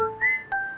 ya udah deh